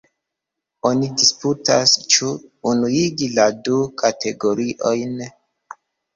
Oni disputas, ĉu unuigi la du kategoriojn.